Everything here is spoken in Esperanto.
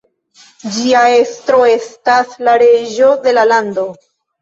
Ĝia estro estas la reĝo de la lando.